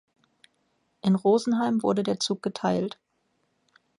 In Rosenheim wurde der Zug geteilt.